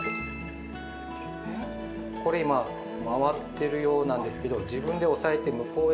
◆これ、今、回ってるようなんですけど自分で押さえて向こうへ。